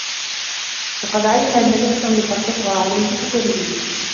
وَقَدْ عَلِمَ أَنَّ نَفْسَهُ قَدْ تَطْغَى عَلَيْهِ فَتُرْدِيهِ